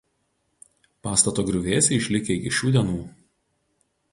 Pastato griuvėsiai išlikę iki šių dienų.